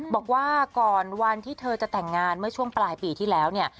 บอกว่าก่อนวันที่เธอจะแต่งงานเมื่อช่วงปลายปีที่แล้วเนี่ย